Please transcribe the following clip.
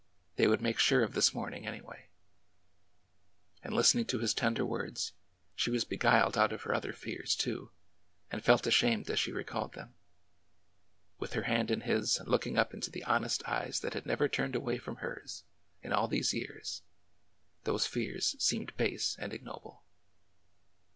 They would make sure of this morning, anyway. And listening to his tender words, she was beguiled out of her other fears, too, and felt ashamed as she recalled them. With her hand in his and looking up into the hon est eyes that had never turned away from hers in all these years, those fears seemed base and ignoble.